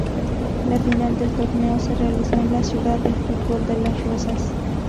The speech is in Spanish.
La final del torneo se realizó en la Ciudad del Fútbol de Las Rozas.